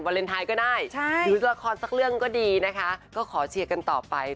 ก็ได้ใช่หรือละครสักเรื่องก็ดีนะคะก็ขอเชียร์กันต่อไป